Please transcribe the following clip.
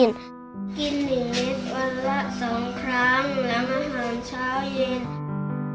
กินหนึ่งลิตรวันละสองครั้งแล้วมาอาหารเช้าเย็น